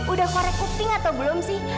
udah korek upting atau belum sih